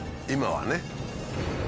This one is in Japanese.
今はね。